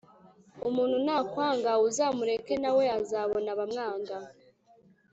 Umuntu nakwanga uzamureke nawe azabona abamwanga